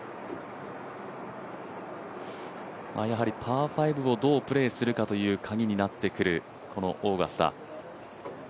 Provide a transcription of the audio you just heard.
やはりパー５をどうプレーするかということがポイントのこのオーガスタ。